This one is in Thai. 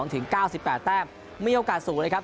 ถึง๙๘แต้มไม่มีโอกาสสูงเลยครับ